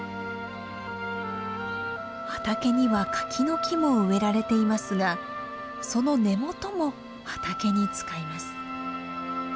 畑には柿の木も植えられていますがその根元も畑に使います。